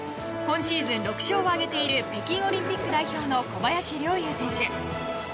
今シーズン６勝を挙げている北京オリンピック代表の小林陵侑選手。